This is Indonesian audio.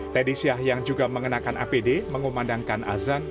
teddy syah yang juga mengenakan apd mengumandangkan azan